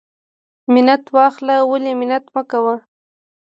ـ منت واخله ولی منت مکوه.